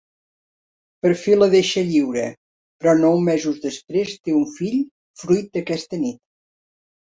Per fi la deixa lliure, però nou mesos després té un fill fruit d'aquesta nit.